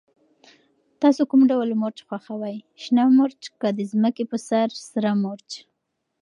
تاسو کوم ډول مرچ خوښوئ، شنه مرچ که د ځمکې په سر سره مرچ؟